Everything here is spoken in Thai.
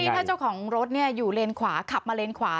เพราะว่าเจ้าของรถเนี่ยอยู่เลนขวาขับมาเลนขวา